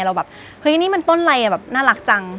เราแบบเฮ้ยนี่มันต้นอะไรแบบน่ารักจัง